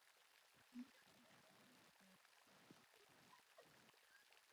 帕妥珠单抗是一种单克隆抗体。